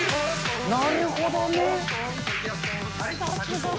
なるほどね。